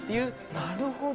なるほど！